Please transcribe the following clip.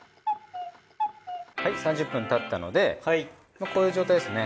はい３０分たったのでこういう状態ですね。